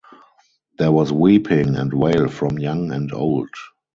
There was weeping and wail from young and old.